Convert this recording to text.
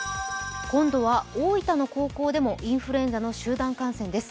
今度は大分の高校でもインフルエンザの集団感染です。